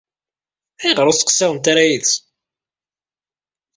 Ayɣer ur tettqeṣiremt ara yid-s?